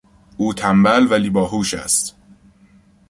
او تنبل ولی باهوش است.